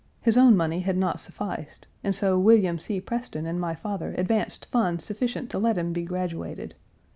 His own money had not sufficed, and so William C. Preston and my father advanced funds sufficient to let him be graduated.